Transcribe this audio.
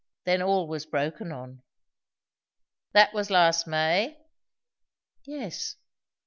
Then all was broken on ." "That was last May?" "Yes."